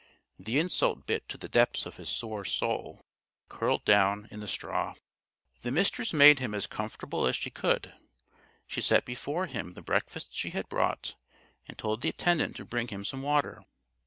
The insult bit to the depths of his sore soul. He curled down in the straw. The Mistress made him as comfortable as she could. She set before him the breakfast she had brought and told the attendant to bring him some water.